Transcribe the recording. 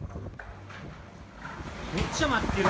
むっちゃ舞ってる。